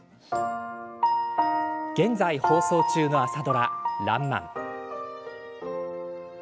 現在放送中の朝ドラ「らんまん」。